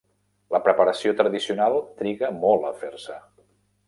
La preparació tradicional triga molt a fer-se.